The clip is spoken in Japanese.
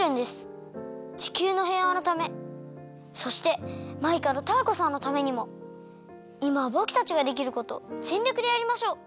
地球のへいわのためそしてマイカとタアコさんのためにもいまはぼくたちができることをぜんりょくでやりましょう！